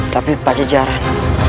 tapi pak jejaran